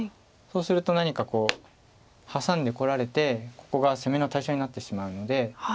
そうすると何かこうハサんでこられてここが攻めの対象になってしまうので。